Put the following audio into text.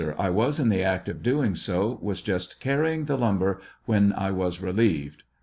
I was in the act of doing so, was j ust carrying the lumber, when I was relieved.